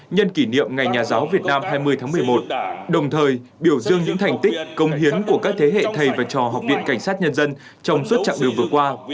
năm hai mươi tháng một mươi một đồng thời biểu dương những thành tích công hiến của các thế hệ thầy và trò học viện cảnh sát nhân dân trong suốt trạng điều vừa qua